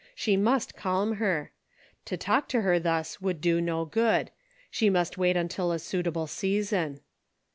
She must calm her. To talk to her thus would do no good. She must wait until a suitable season.